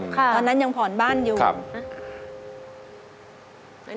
ค่ะตอนนั้นยังผ่อนบ้านอยู่ครับ